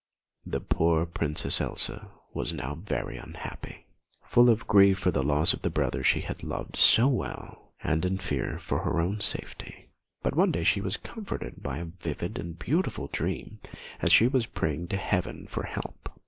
The poor Princess Elsa was now very unhappy, full of grief for the loss of the brother she had loved so well, and in fear for her own safety; but one day she was comforted by a vivid and beautiful dream as she was praying to Heaven for help.